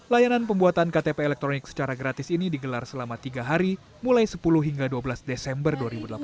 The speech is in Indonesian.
layanan pembuatan ktp elektronik secara gratis ini digelar selama tiga hari mulai sepuluh hingga dua belas desember dua ribu delapan belas